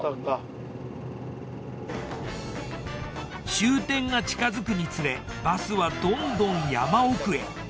終点が近づくにつれバスはどんどん山奥へ。